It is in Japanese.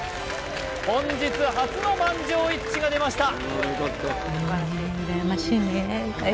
本日初の満場一致が出ました